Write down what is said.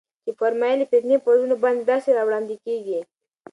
چي فرمايل ئې: فتنې پر زړونو باندي داسي راوړاندي كېږي